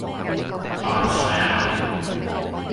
扮曬蟹